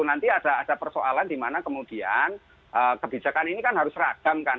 nanti ada persoalan dimana kemudian kebijakan ini kan harus seragam kan